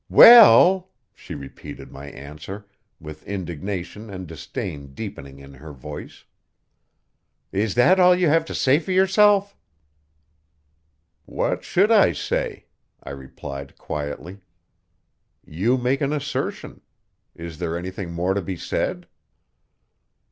well !" She repeated my answer, with indignation and disdain deepening in her voice. "Is that all you have to say for yourself?" "What should I say?" I replied quietly. "You make an assertion. Is there anything more to be said?"